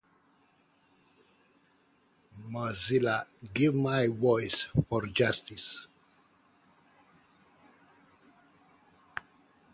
This is both at recycling centres and curb-side collections.